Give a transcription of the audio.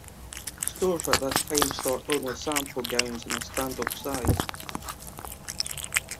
Stores at this time stocked only sample gowns in a standard size.